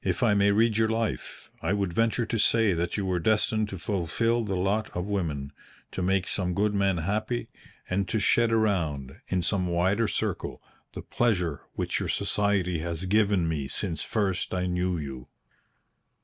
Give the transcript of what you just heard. "If I may read your life, I would venture to say that you were destined to fulfil the lot of women to make some good man happy, and to shed around, in some wider circle, the pleasure which your society has given me since first I knew you."